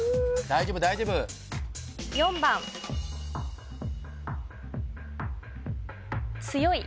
大丈夫大丈夫ええ